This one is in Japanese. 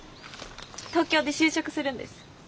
東京で就職するんです。